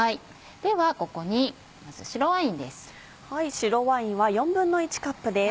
ではここにまず白ワインです。